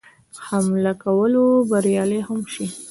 حمله کولو بریالی هم شي.